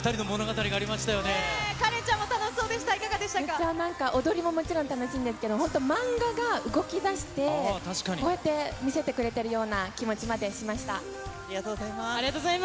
めっちゃなんか、踊りももちろん楽しいんですけど、本当、漫画が動きだして、こうやって見せてくれてるような気持ちまでしありがとうございます。